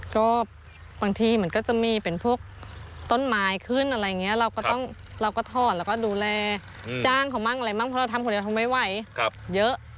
ก็บางทีมันก็จะมีเป็นพวกต้นไม้ขึ้นอะไรอย่างนี้เราก็ต้องเราก็ถอดแล้วก็ดูแลจ้างเขามั่งอะไรมั่งเพราะเราทำคนเดียวเขาไม่ไหวเยอะ